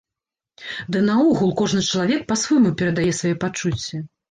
Ды, наогул, кожны чалавек па-свойму перадае свае пачуцці.